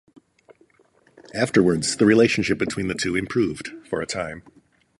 Afterwards, the relationship between the two improved for a time.